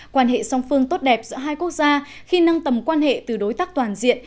quan hệ song phương tốt đẹp giữa hai quốc gia khi nâng tầm quan hệ từ đối tác toàn diện